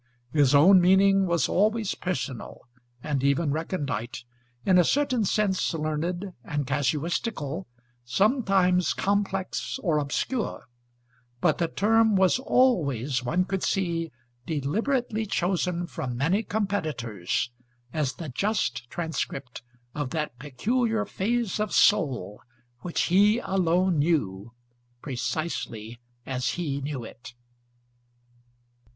His own meaning was always personal and even recondite, in a certain sense learned and casuistical, sometimes complex or obscure; but the term was always, one could see, deliberately chosen from many competitors, as the just transcript of that peculiar phase of soul which he alone knew, precisely as he knew it.